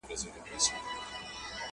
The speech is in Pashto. ستا دي تاج وي همېشه، لوړ دي نښان وي.!